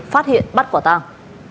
phát hiện bắt quả tàng